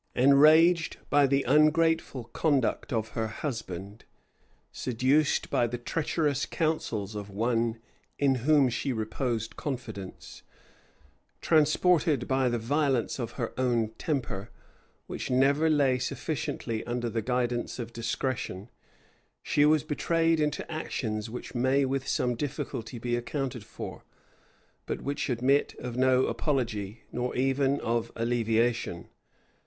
Enraged by the ungrateful conduct of her husband, seduced by the treacherous counsels of one in whom she reposed confidence, transported by the violence of her own temper, which never lay sufficiently under the guidance of discretion; she was betrayed into actions which may with some difficulty be accounted for, but which admit of no apology, nor even of alleviation.